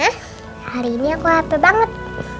hari ini aku hape banget